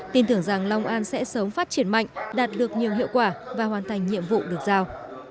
tin tưởng rằng long an sẽ sớm phát triển mạnh đạt được nhiều hiệu quả và hoàn thành nhiệm vụ được giao